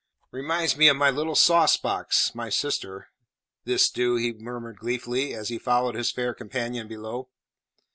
"Reminds me of little `sauce box'" (my sister), "this do," he murmured gleefully, as he followed his fair companion below.